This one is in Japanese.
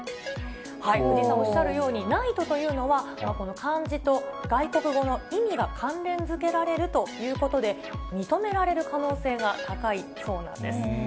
藤井さんおっしゃるように、ナイトというのは、この漢字と外国語の意味が関連づけられるということで、認められる可能性が高いそうなんです。